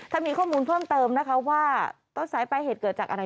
ถ้ามีข้อมูลเพิ่มเติมนะคะว่าต้นสายปลายเหตุเกิดจากอะไร